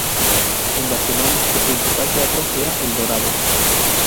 En Barcelona su principal teatro era Eldorado.